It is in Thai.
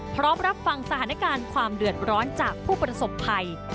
พร้อมรับฟังสถานการณ์ความเดือดร้อนจากผู้ประสบภัย